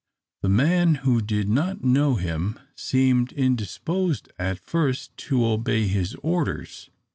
The man, who did not know him, seemed indisposed at first to obey his orders.